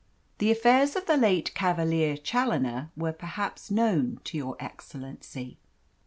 "The affairs of the late Cavalier Challoner were perhaps known to your excellency?"